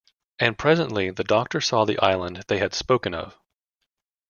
And presently the Doctor saw the island they had spoken of.